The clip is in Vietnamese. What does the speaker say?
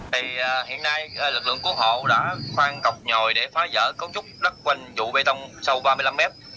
hiện nay lực lượng cứu hộ đã khoan cọc nhòi để phá giỡn cấu trúc đất quanh trụ bê tông sâu ba mươi năm m